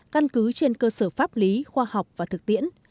căn cứ trên cơ sở pháp lý khoa học và thực tiễn